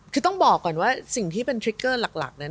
คือต้องบอกก่อนว่าสิ่งที่เป็นทริคเกอร์หลักนั้น